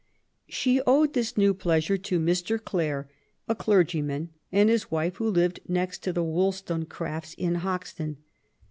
She owed this new pleasure to Mr. Clare, a clergy man, and his wife, who lived next to the WoUstone* •crafts in Hoxton.